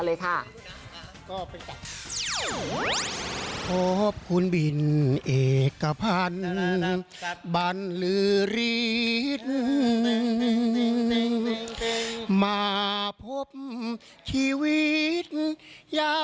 ลองไปฟังกันเลยค่ะ